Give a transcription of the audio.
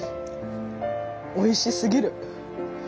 おいしすぎる。